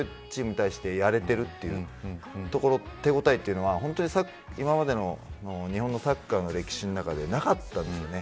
自分たちがこれほど強いチームに対してやれてるという手応えというのは今までの日本のサッカーの歴史の中でなかったんですよね。